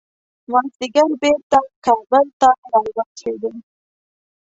مازدیګر بیرته کابل ته راورسېدو.